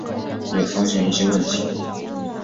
也发现一些问题